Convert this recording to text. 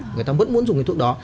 người ta vẫn muốn dùng cái thuốc đó